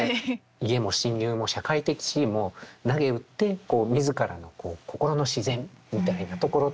家も親友も社会的地位もなげうって自らの心の自然みたいなところと向き合うか否か。